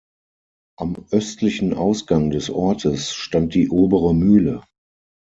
Am östlichen Ausgang des Ortes stand die "Obere Mühle".